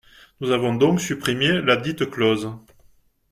Nous avons donc supprimé ladite clause.